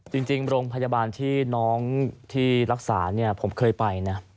จริงโรงพยาบาลที่น้องที่รักษาเนี่ยผมเคยไปนะ